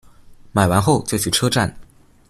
买完后就去车站